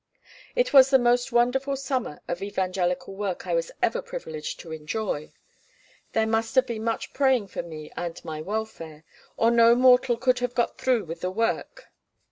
It was the most wonderful summer of evangelical work I was ever privileged to enjoy. There must have been much praying for me and my welfare, or no mortal could have got through with the work.